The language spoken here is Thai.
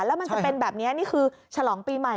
แล้วมันจะเป็นแบบนี้นี่คือฉลองปีใหม่